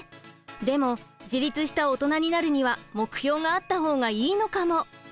でも自立したオトナになるには目標があった方がいいのかも。